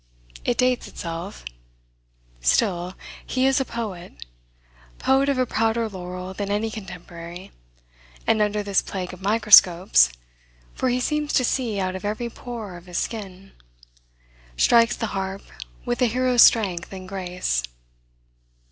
It dates itself. Still he is a poet, poet of a prouder laurel than any contemporary, and under this plague of microscopes (for he seems to see out of every pore of his skin), strikes the harp with a hero's strength and grace.